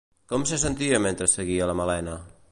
Com se sentia mentre seguia la Malena?